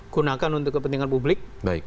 gunakan untuk kepentingan publik